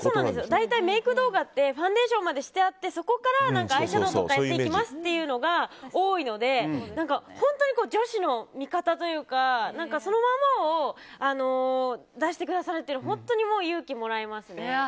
大体メイク動画ってファンデーションとかしてあってそこからアイシャドーとかをやっていきますというのが多いので本当に女子の味方というかそのままを出してくださるっていうのは本当に勇気をもらいますね。